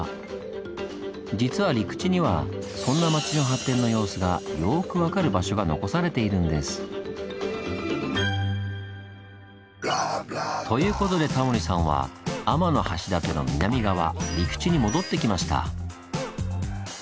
実は陸地にはそんな町の発展の様子がよく分かる場所が残されているんです。ということでタモリさんは天橋立の南側陸地に戻ってきました。